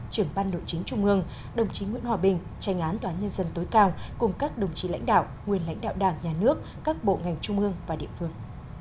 trưởng ban nội chính trung ương đồng chí nguyễn hòa bình tranh án tòa án nhân dân tối cao cùng các đồng chí lãnh đạo nguyên lãnh đạo đảng nhà nước các bộ ngành trung ương và địa phương